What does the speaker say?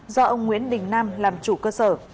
do ông nguyễn đình nam làm chủ cơ sở